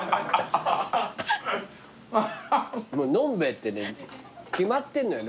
飲んべえってね決まってんのよね